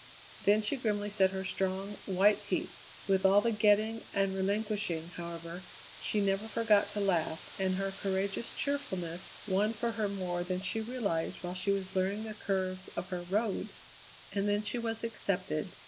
Then she grimly set her strong, white teeth. With all the getting and relinquishing, however, she never forgot to laugh, and her courageous cheerfulness won for her more than she realized while she was learning the curves of her Road. And then she was accepted.